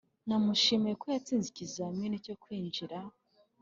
namushimiye ko yatsinze ikizamini cyo kwinjira.